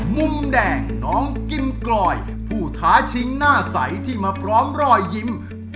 มุมแดงน้องกิมกลอยผู้ท้าชิงหน้าใสที่มาพร้อมรอยยิ้ม